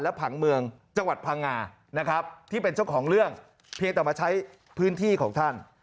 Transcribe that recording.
ผังเมืองจังหวัดพังงานะครับที่เป็นเจ้าของเรื่องเพียงแต่มาใช้พื้นที่ของท่าน